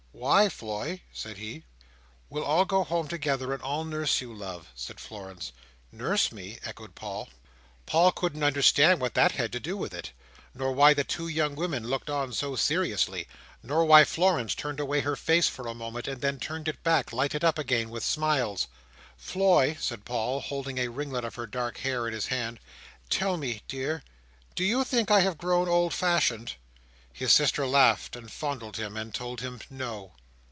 "Why, Floy!" said he. "We'll go home together, and I'll nurse you, love," said Florence. "Nurse me!" echoed Paul. Paul couldn't understand what that had to do with it, nor why the two young women looked on so seriously, nor why Florence turned away her face for a moment, and then turned it back, lighted up again with smiles. "Floy," said Paul, holding a ringlet of her dark hair in his hand. "Tell me, dear, Do you think I have grown old fashioned?" His sister laughed, and fondled him, and told him "No."